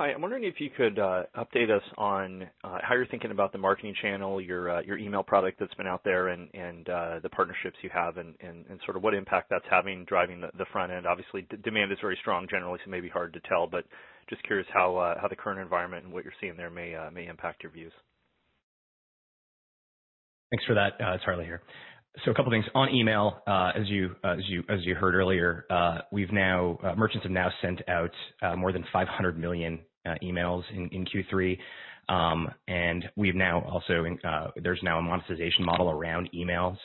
Hi. I'm wondering if you could update us on how you're thinking about the marketing channel, your Shopify Email product that's been out there and the partnerships you have and sort of what impact that's having driving the front end. Obviously demand is very strong generally, so it may be hard to tell, but just curious how the current environment and what you're seeing there may impact your views. Thanks for that. It's Harley here. A couple things. On email, as you heard earlier, merchants have now sent out more than 500 million emails in Q3. We've now also there's now a monetization model around email.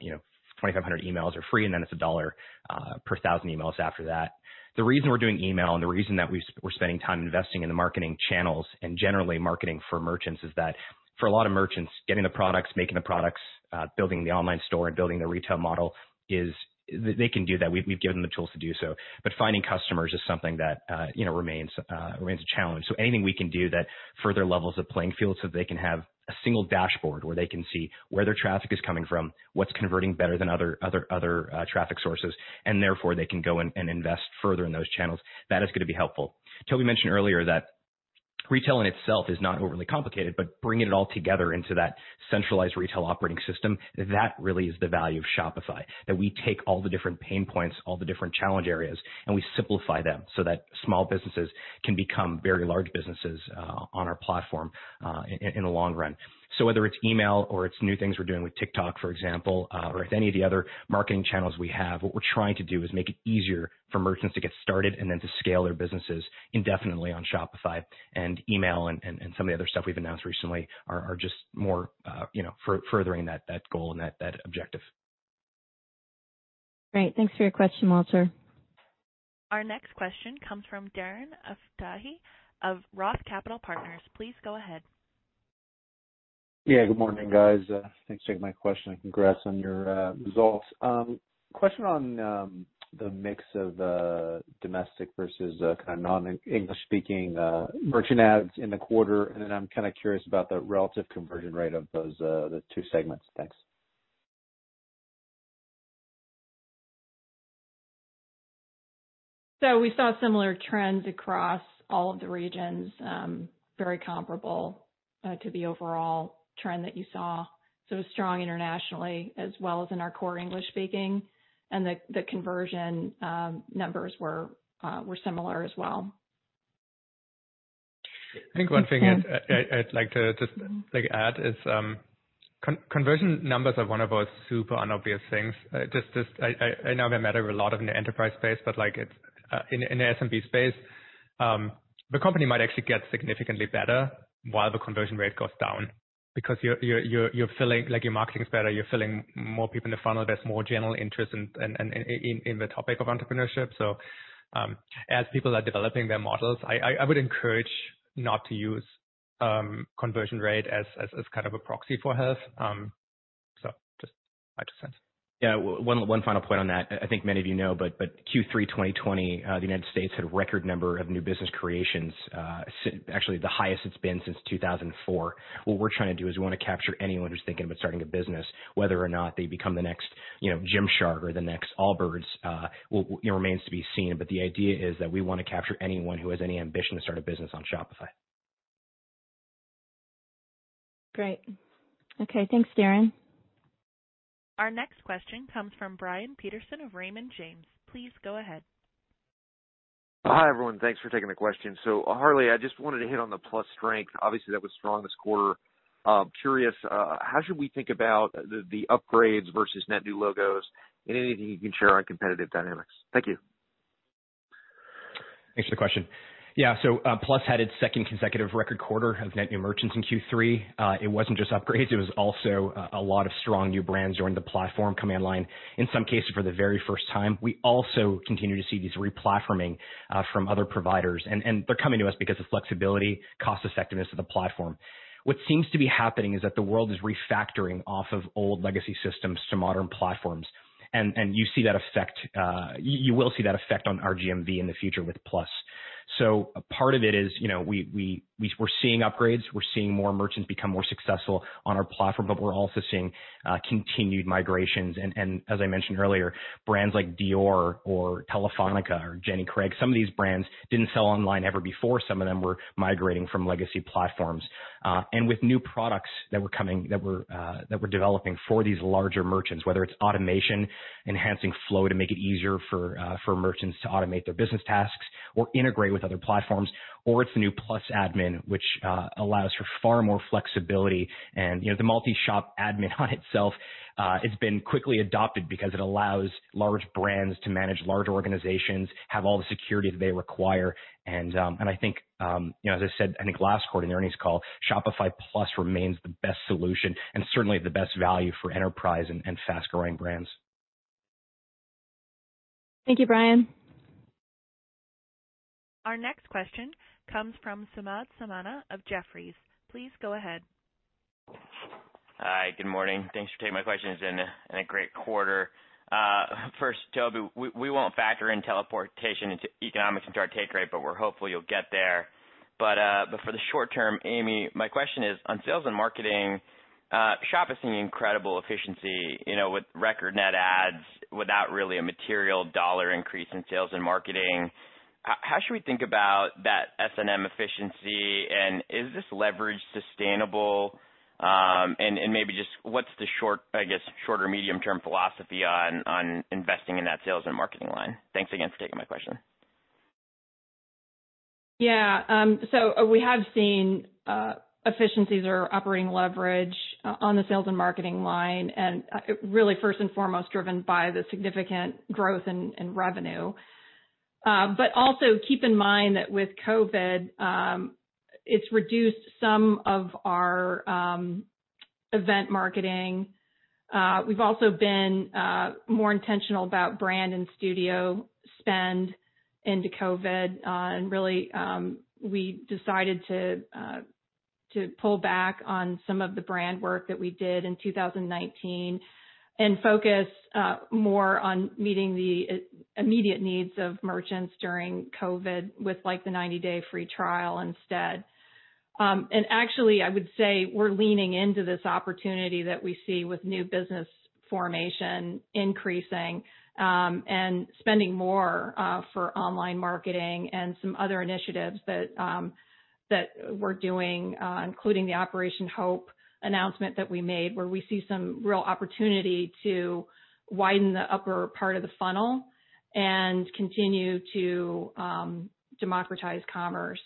You know, 2,500 emails are free, and then it's $1 per 1,000 emails after that. The reason we're doing email and the reason that we're spending time investing in the marketing channels and generally marketing for merchants is that for a lot of merchants, getting the products, making the products, building the online store and building the retail model is. They can do that. We've given them the tools to do so. Finding customers is something that, you know, remains a challenge. Anything we can do that further levels the playing field so they can have a single dashboard where they can see where their traffic is coming from, what's converting better than other traffic sources, and therefore they can go and invest further in those channels, that is gonna be helpful. Tobi mentioned earlier that retailing itself is not overly complicated, but bringing it all together into that centralized retail operating system, that really is the value of Shopify. That we take all the different pain points, all the different challenge areas, and we simplify them so that small businesses can become very large businesses on our platform in the long run. Whether it's email or it's new things we're doing with TikTok, for example, or with any of the other marketing channels we have, what we're trying to do is make it easier for merchants to get started and then to scale their businesses indefinitely on Shopify. Email and some of the other stuff we've announced recently are just more, you know, furthering that goal and that objective. Great. Thanks for your question, Walter. Our next question comes from Darren Aftahi of Roth Capital Partners. Please go ahead. Yeah, good morning, guys. Thanks for taking my question, and congrats on your results. Question on the mix of domestic versus kind of non-English speaking merchant adds in the quarter. I'm kinda curious about the relative conversion rate of those the two segments. Thanks. We saw similar trends across all of the regions, very comparable to the overall trend that you saw. Strong internationally as well as in our core English-speaking. The conversion numbers were similar as well. I think one thing is I'd like to just, like, add is, conversion numbers are one of those super unobvious things. Just I know I met a lot of in the enterprise space, but like it's in the SMB space, the company might actually get significantly better while the conversion rate goes down because you're filling, like your marketing is better, you're filling more people in the funnel. There's more general interest in the topic of entrepreneurship. As people are developing their models, I would encourage not to use conversion rate as kind of a proxy for health. Just my two cents. One final point on that. I think many of you know, but Q3 2020, the United States had a record number of new business creations. Actually the highest it's been since 2004. What we're trying to do is we want to capture anyone who's thinking about starting a business, whether or not they become the next, you know, Gymshark or the next Allbirds, you know, remains to be seen. The idea is that we want to capture anyone who has any ambition to start a business on Shopify. Great. Okay. Thanks, Darren. Our next question comes from Brian Peterson of Raymond James. Please go ahead. Hi, everyone. Thanks for taking the question. Harley, I just wanted to hit on the Plus strength. Obviously, that was strong this quarter. Curious, how should we think about the upgrades versus net new logos and anything you can share on competitive dynamics? Thank you. Thanks for the question. Yeah. Plus had its second consecutive record quarter of net new merchants in Q3. It wasn't just upgrades, it was also a lot of strong new brands joined the platform coming online, in some cases for the very first time. We also continue to see these re-platforming from other providers. They're coming to us because of flexibility, cost effectiveness of the platform. What seems to be happening is that the world is refactoring off of old legacy systems to modern platforms. You see that effect, you will see that effect on our GMV in the future with Plus. A part of it is, you know, we're seeing upgrades. We're seeing more merchants become more successful on our platform, we're also seeing continued migrations. As I mentioned earlier, brands like Dior or Telefónica or Jenny Craig, some of these brands didn't sell online ever before. Some of them were migrating from legacy platforms. With new products that we're developing for these larger merchants, whether it's automation, enhancing Flow to make it easier for merchants to automate their business tasks or integrate with other platforms, or it's the new Plus Admin, which allows for far more flexibility. You know, the multi-store admin on itself, it's been quickly adopted because it allows large brands to manage large organizations, have all the security that they require. I think, you know, as I said, I think last quarter in the earnings call, Shopify Plus remains the best solution and certainly the best value for enterprise and fast-growing brands. Thank you, Brian. Our next question comes from Samad Samana of Jefferies. Please go ahead. Hi, good morning. Thanks for taking my questions, and a great quarter. First, Tobi, we won't factor in teleportation into economics into our take rate, but we're hopeful you'll get there. For the short term, Amy, my question is on sales and marketing, Shop is seeing incredible efficiency, you know, with record net adds without really a material dollar increase in sales and marketing. How should we think about that S&M efficiency, and is this leverage sustainable? Maybe just what's the short, I guess, short or medium term philosophy on investing in that sales and marketing line? Thanks again for taking my question. We have seen efficiencies or operating leverage on the sales and marketing line, and really first and foremost driven by the significant growth in revenue. Also keep in mind that with COVID, it's reduced some of our event marketing. We've also been more intentional about brand and studio spend into COVID, and really we decided to pull back on some of the brand work that we did in 2019 and focus more on meeting the immediate needs of merchants during COVID with like the 90-day free trial instead. And actually, I would say we're leaning into this opportunity that we see with new business formation increasing, and spending more for online marketing and some other initiatives that we're doing, including the Operation HOPE announcement that we made, where we see some real opportunity to widen the upper part of the funnel and continue to democratize commerce.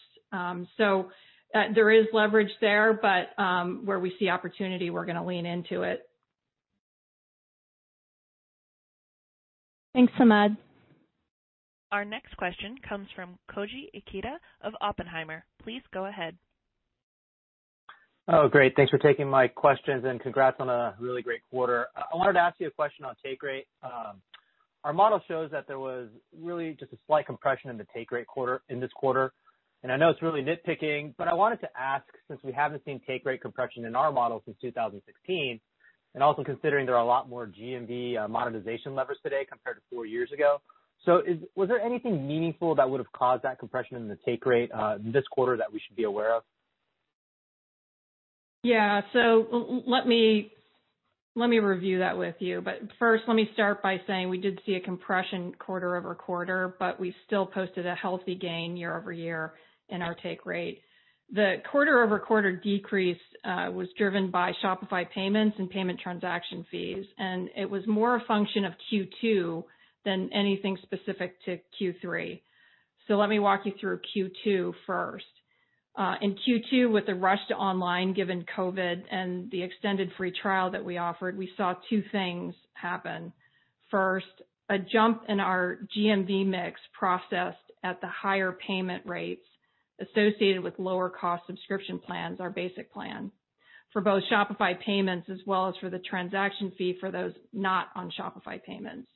So, there is leverage there, but where we see opportunity, we're gonna lean into it. Thanks, Samad. Our next question comes from Koji Ikeda of Oppenheimer. Please go ahead. Great. Thanks for taking my questions, congrats on a really great quarter. I wanted to ask you a question on take rate. Our model shows that there was really just a slight compression in the take rate this quarter. I know it's really nitpicking, but I wanted to ask since we haven't seen take rate compression in our model since 2016, also considering there are a lot more GMV monetization levers today compared to four years ago. Was there anything meaningful that would have caused that compression in the take rate this quarter that we should be aware of? Yeah. Let me review that with you. First, let me start by saying we did see a compression quarter-over-quarter, but we still posted a healthy gain year-over-year in our take rate. The quarter-over-quarter decrease was driven by Shopify Payments and payment transaction fees. It was more a function of Q2 than anything specific to Q3. Let me walk you through Q2 first. In Q2, with the rush to online, given COVID and the extended free trial that we offered, we saw two things happen. First, a jump in our GMV mix processed at the higher payment rates associated with lower cost subscription plans, our Basic plan, for both Shopify Payments as well as for the transaction fee for those not on Shopify Payments.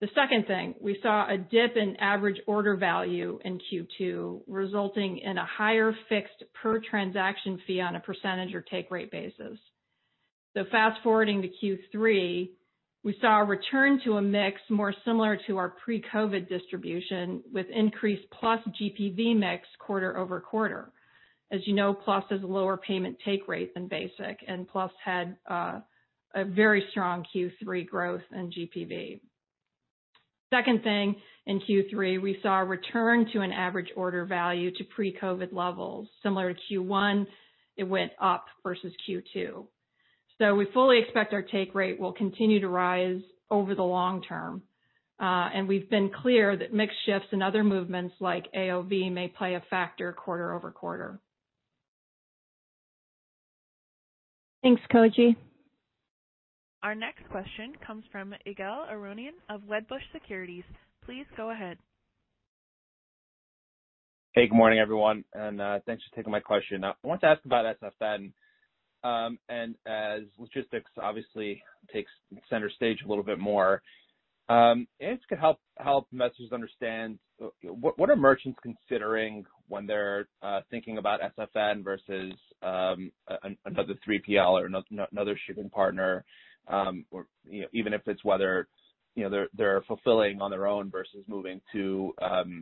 The second thing, we saw a dip in average order value in Q2, resulting in a higher fixed per transaction fee on a percentage or take rate basis. Fast-forwarding to Q3, we saw a return to a mix more similar to our pre-COVID distribution with increased Plus GPV mix quarter-over-quarter. As you know, Plus has a lower payment take rate than Basic, and Plus had a very strong Q3 growth in GPV. Second thing in Q3, we saw a return to an average order value to pre-COVID levels. Similar to Q1, it went up versus Q2. We fully expect our take rate will continue to rise over the long term, and we've been clear that mix shifts and other movements like AOV may play a factor quarter-over-quarter. Thanks, Koji. Our next question comes from Ygal Arounian of Wedbush Securities. Please go ahead. Hey, good morning, everyone, thanks for taking my question. I want to ask about SFN. As logistics obviously takes center stage a little bit more, if you could help investors understand what are merchants considering when they're thinking about SFN versus another 3PL or another shipping partner, or, you know, even if it's whether, you know, they're fulfilling on their own versus moving to a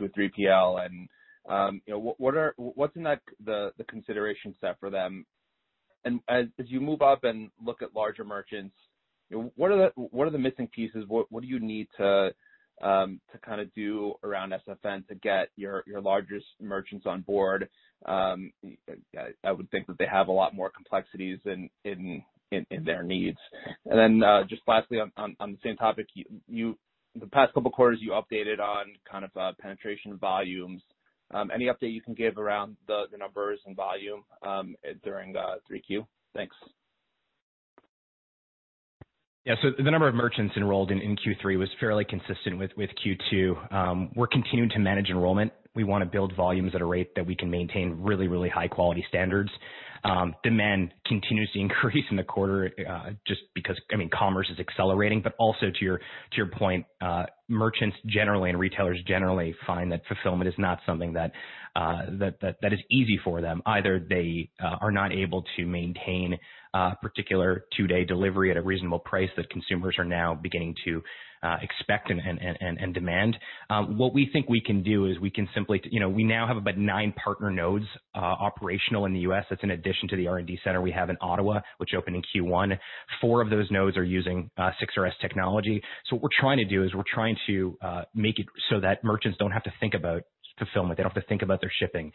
3PL, what's in that the consideration set for them? As you move up and look at larger merchants, you know, what are the missing pieces? What do you need to kinda do around SFN to get your largest merchants on board? I would think that they have a lot more complexities in their needs. Just lastly, on the same topic, the past couple quarters you updated on kind of penetration volumes. Any update you can give around the numbers and volume during 3Q? Thanks. Yeah. The number of merchants enrolled in Q3 was fairly consistent with Q2. We're continuing to manage enrollment. We wanna build volumes at a rate that we can maintain really high quality standards. Demand continues to increase in the quarter, just because, I mean, commerce is accelerating. Also to your point, merchants generally and retailers generally find that fulfillment is not something that is easy for them. Either they are not able to maintain particular two-day delivery at a reasonable price that consumers are now beginning to expect and demand. What we think we can do is we can simply, you know, we now have about nine partner nodes operational in the U.S. That's an addition to the R&D center we have in Ottawa, which opened in Q1. Four of those nodes are using 6RS technology. What we're trying to do is we're trying to make it so that merchants don't have to think about fulfillment. They don't have to think about their shipping.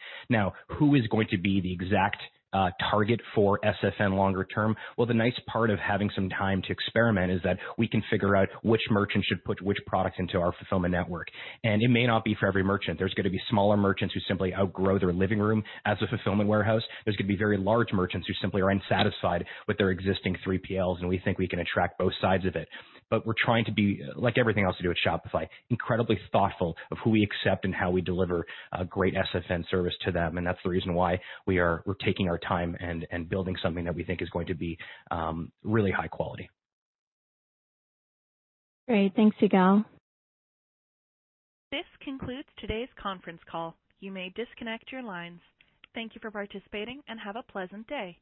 Who is going to be the exact target for SFN longer term? The nice part of having some time to experiment is that we can figure out which merchant should put which product into our fulfillment network. It may not be for every merchant. There's gonna be smaller merchants who simply outgrow their living room as a fulfillment warehouse. There's gonna be very large merchants who simply are unsatisfied with their existing 3PLs, and we think we can attract both sides of it. We're trying to be, like everything else we do at Shopify, incredibly thoughtful of who we accept and how we deliver a great SFN service to them, and that's the reason why we're taking our time and building something that we think is going to be really high quality. Great. Thanks, Ygal. This concludes today's conference call. You may disconnect your lines. Thank you for participating and have a pleasant day.